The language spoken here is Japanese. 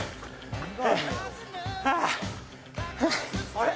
あれ？